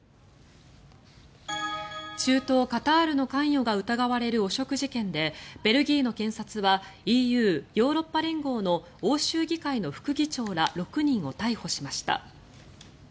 中東カタールの関与が疑われる汚職疑惑でベルギーの検察はＥＵ・ヨーロッパ連合の欧州議会の副議長ら６人を逮捕しました。